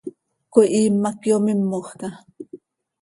Cöihiim hac yomímojca.